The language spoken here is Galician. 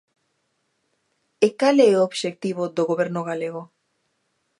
E, ¿cal é o obxectivo do Goberno galego?